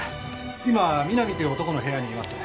今三波という男の部屋にいます。